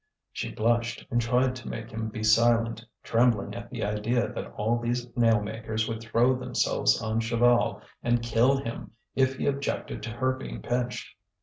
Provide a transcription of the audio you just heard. She blushed and tried to make him be silent, trembling at the idea that all these nail makers would throw themselves on Chaval and kill him if he objected to her being pinched.